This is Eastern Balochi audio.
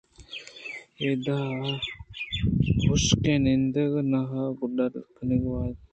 ادا حُشکیں نندگ ءُناہ ءِ گڈّگ کنگ نہ اِنت